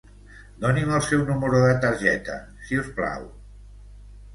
Doni'm el seu número de targeta, si us plau.